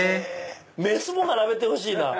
雌も並べてほしいな。